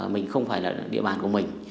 mình không phải là địa bàn của mình